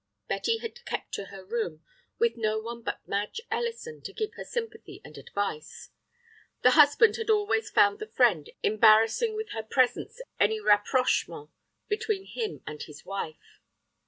Betty had kept to her room with no one but Madge Ellison to give her sympathy and advice. The husband had always found the friend embarrassing with her presence any rapprochement between him and his wife.